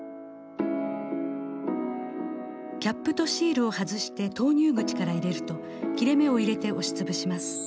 キャップとシールを外して投入口から入れると切れ目を入れて押し潰します。